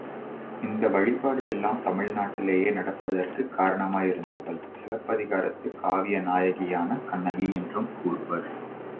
இந்த வழிபாடு எல்லாம் தமிழ்நாட்டிலே நடப்பதற்கு காரணமாயிருந்தவள், சிலப்பதிகாரத்து காவிய நாயகியான கண்ணகி என்றும் கூறுவர்.